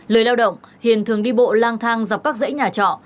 lời lao động hiền thường đi bộ lang thang dọc các dãy nhà trọ